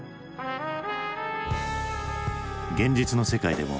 現実の世界でも。